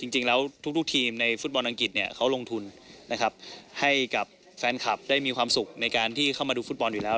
จริงแล้วทุกทีมในฟุตบอลอังกฤษเนี่ยเขาลงทุนนะครับให้กับแฟนคลับได้มีความสุขในการที่เข้ามาดูฟุตบอลอยู่แล้ว